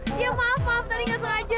iya maaf maaf tadi gak sengaja